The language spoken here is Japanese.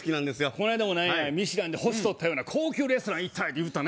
この間も何やミシュランで星とったような高級レストラン行ったいうたね